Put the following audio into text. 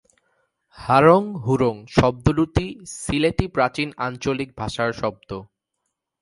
হারং-হুরং শব্দ দুটি সিলেটি প্রাচীন আঞ্চলিক ভাষার শব্দ।